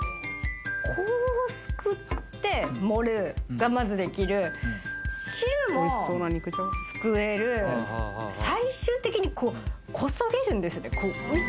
こうすくって盛るがまずできる汁もすくえる最終的にこうこそげるんですね